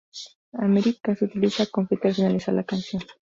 Amerika: Se utiliza confeti al finalizar la canción.